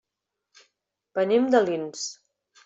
Venim d'Alins.